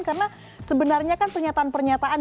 karena sebenarnya kan pernyataan pernyataan